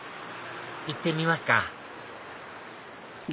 行ってみますかうわっ！